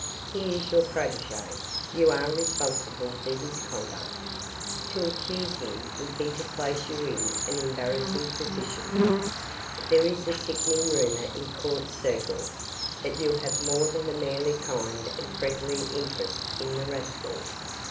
He is your protege; you are responsible for his conduct. To accuse him would be to place you in an embarrassing position. There is a sickening rumor in court circles that you have more than a merely kind and friendly interest in the rascal.